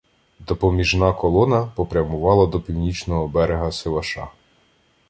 Допоміжна колона попрямувала до північного берега Сиваша.